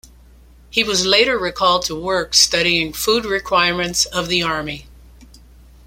He was later recalled to work studying food requirements of the army.